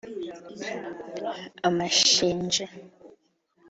Amashinji